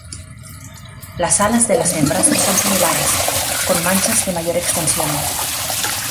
Las alas de las hembras son similares, con manchas de mayor extensión.